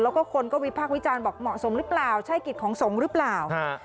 แล้วก็คนก็วิพากษ์วิจารณ์บอกเหมาะสมหรือเปล่าใช่กิจของสงฆ์หรือเปล่า